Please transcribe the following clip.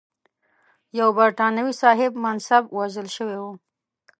یو برټانوي صاحب منصب وژل شوی و.